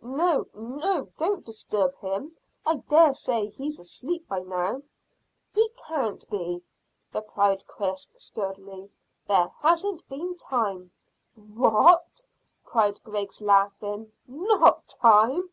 "No, no, don't disturb him. I dare say he's asleep by now." "He can't be," replied Chris sturdily; "there hasn't been time." "What!" cried Griggs, laughing. "Not time?